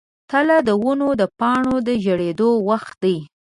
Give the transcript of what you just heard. تله د ونو د پاڼو ژیړیدو وخت دی.